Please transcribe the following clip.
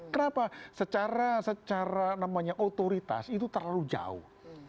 kenapa secara namanya otoritas itu terlalu jauh